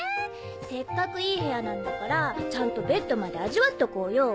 せっかくいい部屋なんだからちゃんとベッドまで味わっとこうよ！